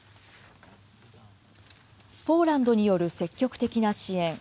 ポーランドによる積極的な支援。